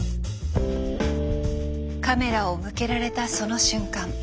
カメラを向けられたその瞬間